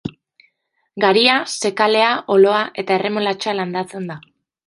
Garia, zekalea, oloa eta erremolatxa landatzen da.